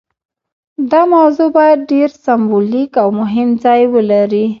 دا موضوع باید ډیر سمبولیک او مهم ځای ولري.